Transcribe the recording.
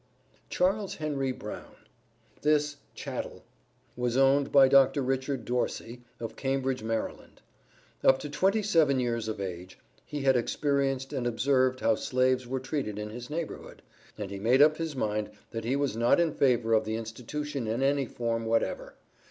Charles Henry Brown. This "chattel" was owned by Dr. Richard Dorsey, of Cambridge, Maryland. Up to twenty seven years of age, he had experienced and observed how slaves were treated in his neighborhood, and he made up his mind that he was not in favor of the Institution in any form whatever.